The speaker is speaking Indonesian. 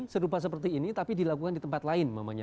sedupa seperti ini tapi dilakukan di tempat lain momenya